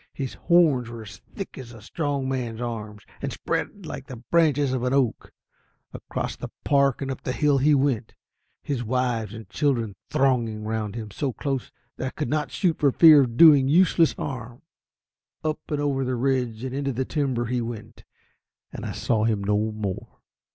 His horns were as thick as a strong man's arm, and spread like the branches of an oak. Across the park and up the hill he went, his wives and children thronging round him so close that I could not shoot for fear of doing useless harm. Up and over the ridge and into the timber he went, and I saw him no more.